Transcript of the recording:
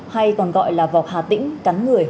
hay còn gọi là vọc hà tĩnh cắn người